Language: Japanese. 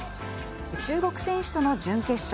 中国選手との準決勝。